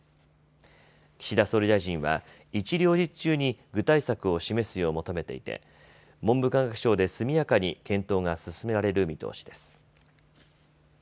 岸田総理大臣は一両日中に具体策を示すよう求めていて文部科学省で速やかに検討が進められる見通しです。